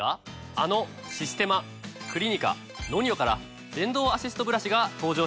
あのシステマクリニカＮＯＮＩＯから電動アシストブラシが登場したんです。